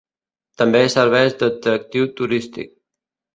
També serveix d'atractiu turístic.